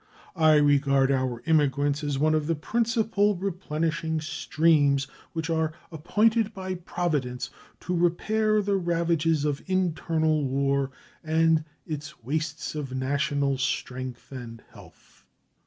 I regard our immigrants as one of the principal replenishing streams which are appointed by Providence to repair the ravages of internal war and its wastes of national strength and health.